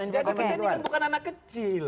jadi kita ini kan bukan anak kecil